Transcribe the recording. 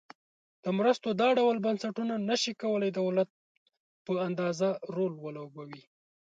د مرستو دا ډول بنسټونه نشي کولای د دولت په اندازه رول ولوبوي.